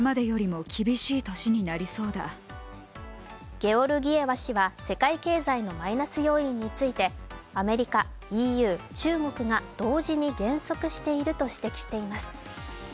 ゲオルギエワ氏は世界経済のマイナス要因についてアメリカ、ＥＵ、中国が同時に減速していると指摘しています。